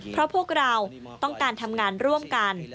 เพราะพวกเราต้องการทำงานร่วมกัน